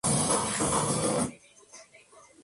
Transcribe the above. Cuarto regente de la Nueva Granada.